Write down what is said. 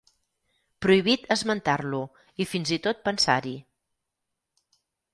Prohibit esmentar-lo i fins i tot pensar-hi.